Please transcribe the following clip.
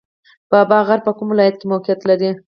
بابا غر په کوم ولایت کې موقعیت لري؟